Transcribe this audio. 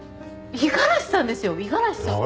五十嵐さんですよ五十嵐さん。